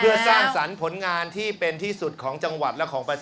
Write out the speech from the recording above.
เพื่อสร้างสรรค์ผลงานที่เป็นที่สุดของจังหวัดดำสกัด